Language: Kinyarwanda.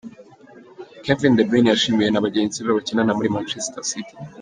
Kevin De Bryne yashimiwe na Bagenzi be bakinana muri Manchester City.